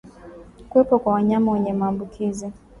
Kuwepo kwa wanyama wenye maambukizi